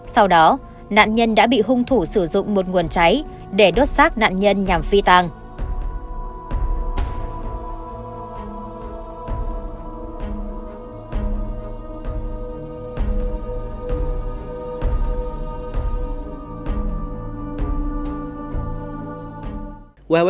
sau đó nạn nhân đã bị hung thủ sử dụng một nguồn cháy để đốt sát nạn nhân nhằm phi tàng